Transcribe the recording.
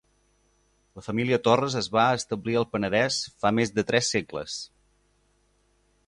La família Torres es va establir al Penedès fa més de tres segles.